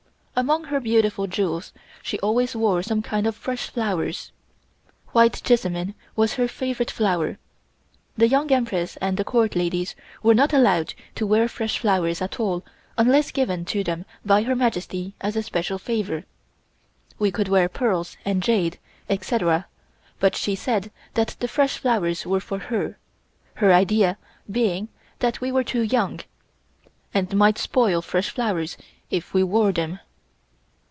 Among her beautiful jewels, she always wore some kind of fresh flowers. White jessamine was her favorite flower. The Young Empress and the Court ladies were not allowed to wear fresh flowers at all unless given to them by Her Majesty as a special favor. We could wear pearls and jade, etc., but she said that the fresh flowers were for her, her idea being that we were too young, and might spoil fresh flowers if we wore them.